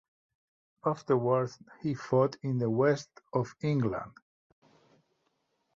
Afterwards he fought in the west of England.